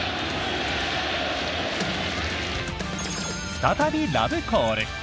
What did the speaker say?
再びラブコール。